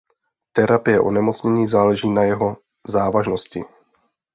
Terapie onemocnění záleží na jeho závažnosti.